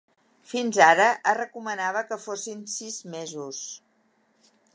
Fins ara, es recomanava que fossin sis mesos.